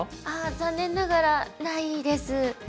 ああ残念ながらないです。